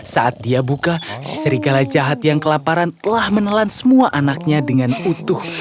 saat dia buka si serigala jahat yang kelaparan telah menelan semua anaknya dengan utuh